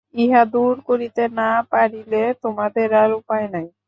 ইহা দূর করিতে না পারিলে তোমাদের আর উপায় নাই।